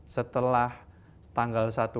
setelah tanggal satu